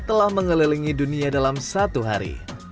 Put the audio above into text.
telah mengelilingi dunia dalam satu hari